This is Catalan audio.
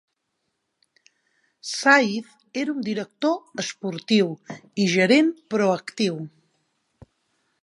Saiz era un director esportiu i gerent proactiu.